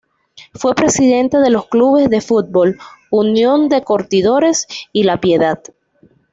Fue presidente de los clubes de fútbol "Unión de Curtidores" y "La Piedad".